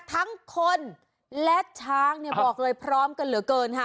ทั้งคนและช้างเนี่ยบอกเลยพร้อมกันเหลือเกินค่ะ